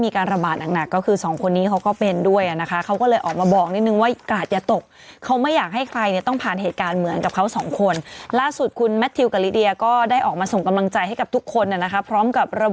๕๐๐คนล้านคนแรกถึงจะได้ฉีกก่อน